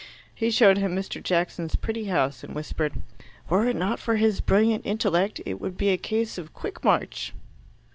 He showed him Mr. Jackson's pretty house, and whispered, "Were it not for his brilliant intellect, it would be a case of Quickmarch!"